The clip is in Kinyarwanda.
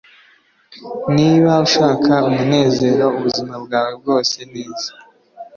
niba ushaka umunezero ubuzima bwawe bwose, neza